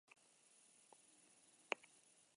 Denetik egin omen du horiekin.